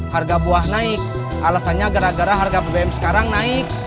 harga buah naik alasannya gara gara harga bbm sekarang naik